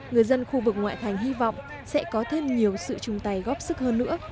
người dân khu vực ngoại thành hy vọng sẽ có thêm nhiều sự chung tay góp sức hơn nữa